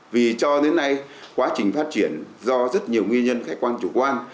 vì cho đến nay quá trình phát triển do rất nhiều nguyên nhân khách quan chủ quan